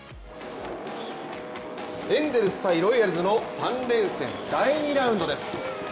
エンゼルス×ロイヤルズの３連戦、第２ラウンドです。